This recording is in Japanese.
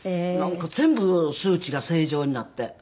なんか全部数値が正常になって。